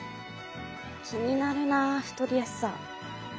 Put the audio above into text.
気になるな太りやすさ。